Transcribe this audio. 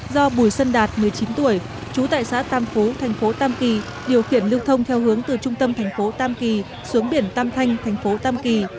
do bùi sân đạt một mươi chín tuổi trú tại xã tam phú thành phố tam kỳ điều khiển lưu thông theo hướng từ trung tâm thành phố tam kỳ xuống biển tam thanh thành phố tam kỳ